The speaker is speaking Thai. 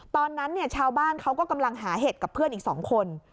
ตอนนั้นเนี่ยชาวบ้านเขาก็กำลังหาเห็ดกับเพื่อนอีก๒คน